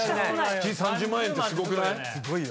月３０万円ってすごくない⁉５！